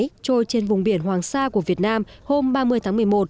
trôi trên vùng biển hoàng sa của việt nam hôm ba mươi tháng một mươi một